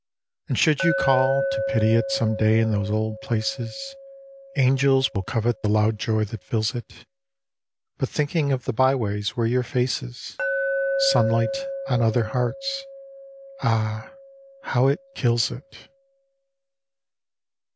And should you call To pity it some day in those old places Angels will covet the loud joy that fills it. But thinking of the by ways where your face is Sunlight on other hearts — Ah ! how it kills it.